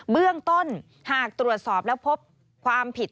เบื้องต้นหากตรวจสอบแล้วพบความผิด